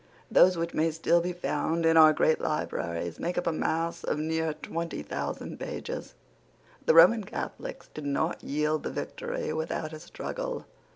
Those which may still be found in our great libraries make up a mass of near twenty thousand pages. The Roman Catholics did not yield the victory without a struggle.